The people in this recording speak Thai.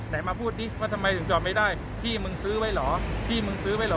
มาพูดสิว่าทำไมถึงจอดไม่ได้พี่มึงซื้อไว้เหรอพี่มึงซื้อไว้เหรอ